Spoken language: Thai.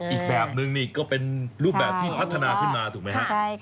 อีกแบบนึงนี่ก็เป็นรูปแบบที่พัฒนาขึ้นมาถูกไหมฮะ